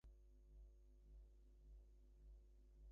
Bernini would remain in Paris until mid-October.